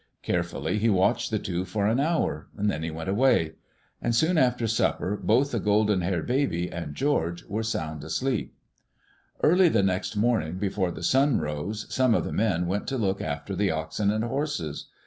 Carefully he watched the two for an hour, then he went away. And soon after supper both the golden haired baby and George were sound asleep. Early the next morning, before the sun rose, some of the men went to look after the oxen and horses.